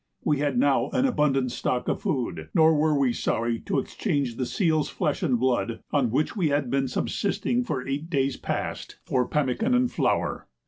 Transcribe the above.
We had now an abundant stock of food, nor were we sorry to exchange the seals' flesh and blood, on which we had been subsisting for eight days past, for pemmican and flour.